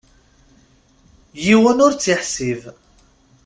Yiwen ur tt-iḥsib.